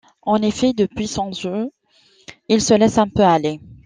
En effet depuis son jeu, il se laisse un peu aller.